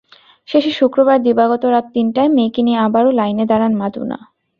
শেষে শুক্রবার দিবাগত রাত তিনটায় মেয়েকে নিয়ে আবারও লাইনে দাঁড়ান মাদুনা।